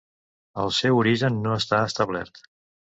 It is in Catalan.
El seu origen no està establert.